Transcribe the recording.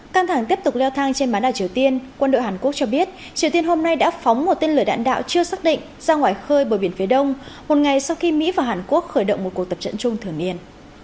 căng thẳng tiếp tục leo thang trên bán đảo triều tiên quân đội hàn quốc cho biết triều tiên hôm nay đã phóng một tên lửa đạn đạo chưa xác định ra ngoài khơi bờ biển phía đông một ngày sau khi mỹ và hàn quốc khởi động một cuộc tập trận chung thường niên